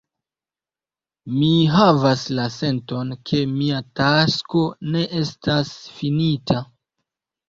Mi havas la senton, ke mia tasko ne estas finita.